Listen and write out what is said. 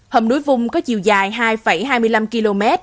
hầm núi vung có chiều dài hai hai mươi năm km